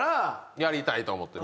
やりたいと思ってる。